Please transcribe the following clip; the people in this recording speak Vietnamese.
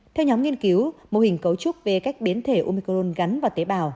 theo nhóm nghiên cứu mô hình cấu trúc về cách biến thể umicron gắn vào tế bào